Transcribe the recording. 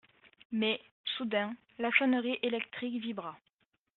Mais, soudain, la sonnerie électrique vibra.